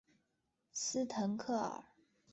斯滕克尔。